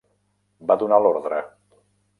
Va donar l'ordre.